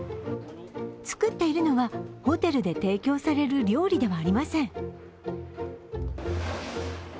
作っているのは、ホテルで提供される料理ではありません。